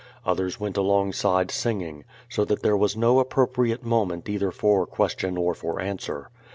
Others went alongside singing, so that there was no appropriate moment either for question or for answer.